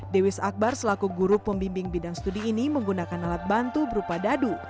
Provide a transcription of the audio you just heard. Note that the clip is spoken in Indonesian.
dewis akbar selaku guru pembimbing bidang studi ini menggunakan alat bantu berupa dadu